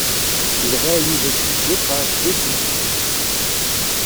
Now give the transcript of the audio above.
Il réalise aussi deux passes décisives.